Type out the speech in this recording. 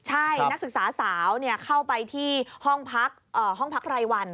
ใช่นักศึกษาสาวเข้าไปที่ห้องพักห้องพักรายวัน